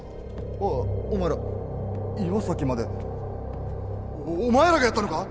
おおお前ら岩崎までお前らがやったのか！？